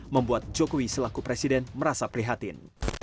membuat jokowi selaku presiden merasa prihatin